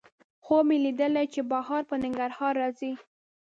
خوب مې لیدلی چې بهار په ننګرهار راځي